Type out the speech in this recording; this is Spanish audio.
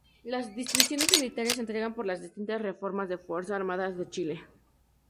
Las distinciones militares se entregan por las distintas ramas de Fuerzas Armadas de Chile.